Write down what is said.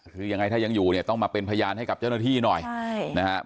คือยังไงถ้ายังอยู่เนี่ยต้องมาเป็นพยานให้กับเจ้าหน้าที่หน่อยใช่นะครับ